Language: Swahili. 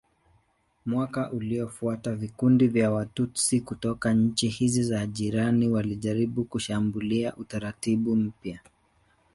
Mwaka uliofuata vikundi vya Watutsi kutoka nchi hizi za jirani walijaribu kushambulia utaratibu mpya.